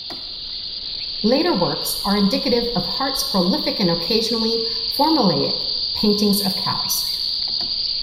Later works are indicative of Hart's prolific and occasionally formulaic paintings of cows.